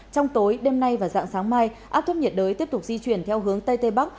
trong tối đêm nay và dạng sáng mai áp thấp nhiệt đới tiếp tục di chuyển theo hướng tây tây bắc